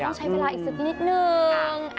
อาจจะต้องใช้เวลาอีกสักนิดหนึ่ง